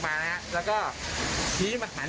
มา๔โมงใช่มั้ย